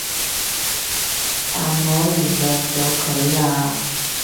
但我原諒咗佢喇